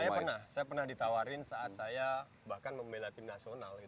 saya pernah saya pernah ditawarin saat saya bahkan membela tim nasional